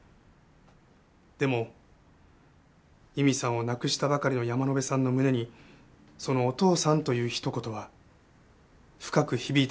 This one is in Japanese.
でも佑美さんを亡くしたばかりの山野辺さんの胸にその「お父さん」というひと言は深く響いたのではありませんか？